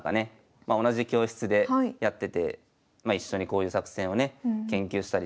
まあ同じ教室でやってて一緒にこういう作戦をね研究したりしてたんですよ。